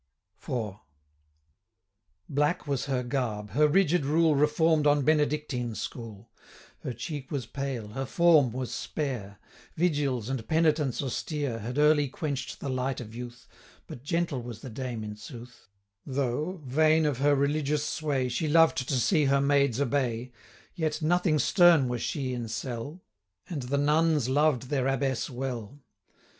IV. Black was her garb, her rigid rule Reform'd on Benedictine school; 70 Her cheek was pale, her form was spare: Vigils, and penitence austere, Had early quench'd the light of youth, But gentle was the dame, in sooth; Though, vain of her religious sway, 75 She loved to see her maids obey, Yet nothing stern was she in cell, And the nuns loved their Abbess well.